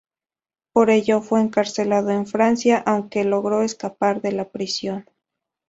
Por ello, fue encarcelado en Francia, aunque logró escapar de la prisión.